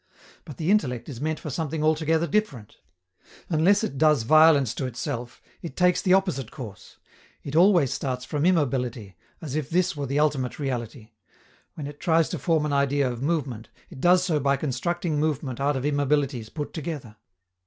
But the intellect is meant for something altogether different. Unless it does violence to itself, it takes the opposite course; it always starts from immobility, as if this were the ultimate reality: when it tries to form an idea of movement, it does so by constructing movement out of immobilities put together.